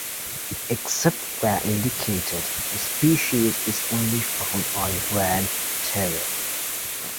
Except where indicated, the species is only found on Grande Terre.